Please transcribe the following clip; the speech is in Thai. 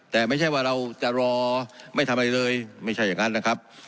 แต่ไม่ใช่ว่าเราจะรอไม่ทำอะไรเลยไม่ใช่อย่างนั้นนะครับ